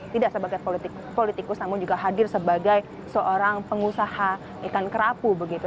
tidak sebagai politikus namun juga hadir sebagai seorang pengusaha ikan kerapu begitu